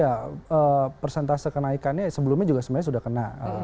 ya persentase kenaikannya sebelumnya juga sebenarnya sudah kena